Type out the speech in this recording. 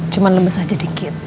cuman lemes aja dikit